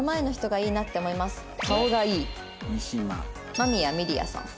間宮みりあさん。